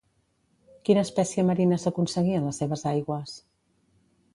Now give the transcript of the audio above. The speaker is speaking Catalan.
Quina espècie marina s'aconseguia en les seves aigües?